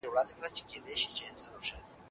سالم ذهن ځواک نه دروي.